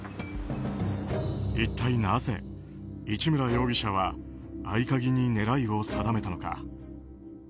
一体なぜ、市村容疑者は合鍵に狙いを定めたのか。